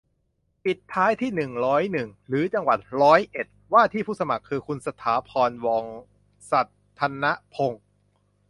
ปิดท้ายที่ หนึ่งร้อยหนึ่ง หรือ จังหวัดร้อยเอ็ด ว่าที่ผู้สมัครคือ คุณสถาพร ว่องสัธนพงษ์